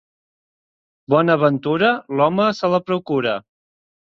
Bona ventura, l'home se la procura.